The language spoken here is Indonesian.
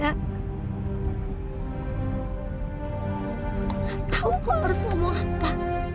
aku gak tau aku harus ngomong apa